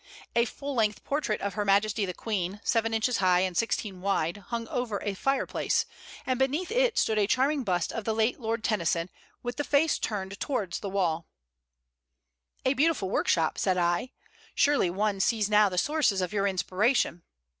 A full length portrait of her Majesty the Queen, seven inches high and sixteen wide, hung over the fireplace, and beneath it stood a charming bust of the late Lord Tennyson with the face turned towards the wall. [Illustration: "'A BEAUTIFUL WORKSHOP,' SAID I"] "A beautiful workshop," said I. "Surely one sees now the sources of your inspiration."